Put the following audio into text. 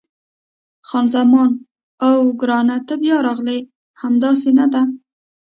خان زمان: اوه، ګرانه ته بیا راغلې! همداسې نه ده؟